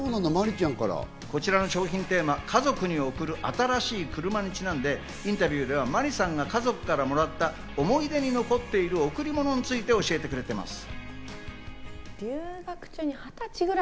こちらの商品テーマ「家族に贈る、新しいクルマ」にちなんでインタビューでは麻里さんが家族からもらった思い出に残っている贈り物について教えてくれています。